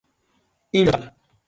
Him don travel.